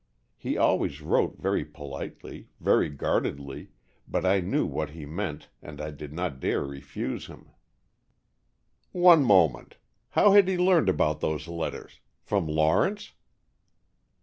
He always wrote very politely, very guardedly, but I knew what he meant and I did not dare refuse him." "One moment. How had he learned about those letters? From Lawrence?"